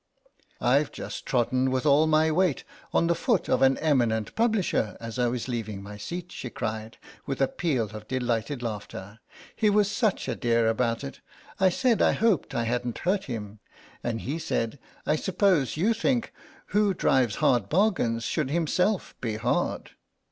"I've just trodden with all my weight on the foot of an eminent publisher as I was leaving my seat," she cried, with a peal of delighted laughter. "He was such a dear about it; I said I hoped I hadn't hurt him, and he said, 'I suppose you think, who drives hard bargains should himself be hard.